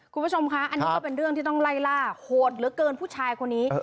คุณผู้ชมคะอันนี้ก็เป็นเรื่องที่ต้องไล่ล่าโหดเหลือเกินผู้ชายคนนี้